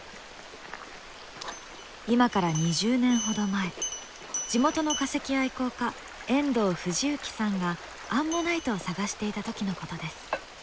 今から２０年ほど前地元の化石愛好家遠藤富士幸さんがアンモナイトを探していた時のことです。